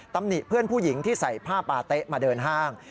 หนิเพื่อนผู้หญิงที่ใส่ผ้าปาเต๊ะมาเดินห้าง